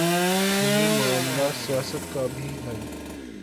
یہی معاملہ سیاست کا بھی ہے۔